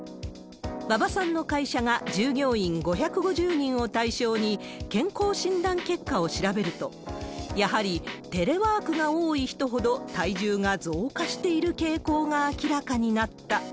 馬場さんの会社が従業員５５０人を対象に健康診断結果を調べると、やはりテレワークが多い人ほど体重が増加している傾向が明らかになった。